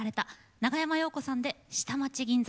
長山洋子さんで「下町銀座」。